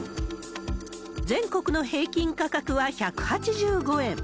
全国の平均価格は１８５円。